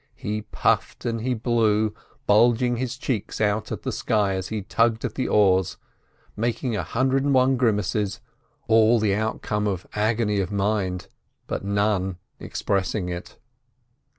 He puffed and he blew, bulging his cheeks out at the sky as he tugged at the oars, making a hundred and one grimaces—all the outcome of agony of mind, but none expressing it.